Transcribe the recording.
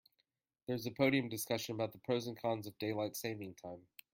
There's a podium discussion about the pros and cons of daylight saving time.